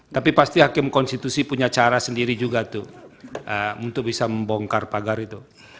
tapi pasti hakim konstitusi punya cara sendiri juga tuh untuk bisa membongkar pagar itu